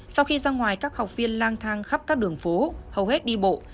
sau khi ra ngoài các học viên lang thang khắp các đường phố hầu hết đi bộ